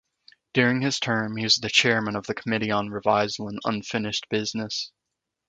During his term he was Chairman of the Committee on Revisal and Unfinished Business.